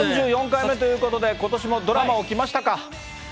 ４４回目ということで、ことしもドラマ起きましたか？